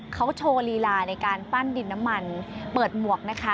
เขาโชว์ลีลาในการปั้นดินน้ำมันเปิดหมวกนะคะ